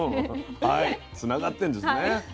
はいつながってんですね。